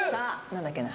何だっけな？